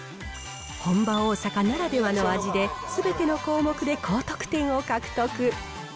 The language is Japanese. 本場、大阪ならではの味で、すべての項目で高得点を獲得。